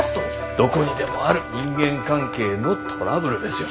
どこにでもある人間関係のトラブルですよ。